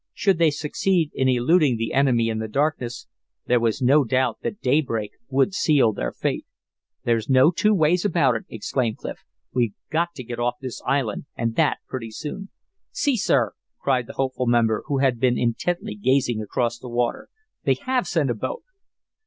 Should they succeed in eluding the enemy in the darkness, there was no doubt that daybreak would seal their fate. "There's no two ways about it," exclaimed Clif. "We've got to get off this island, and that pretty soon." "See, sir," cried the hopeful member, who had been intently gazing across the water. "They have sent a boat!"